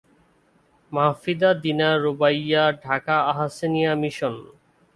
মাহফিদা Dina রুবাইয়াঢাকা Ahsania mission.